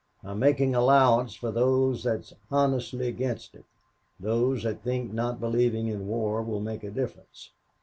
I'm making allowance for those that's honestly against it, those that think not believing in war will make a difference.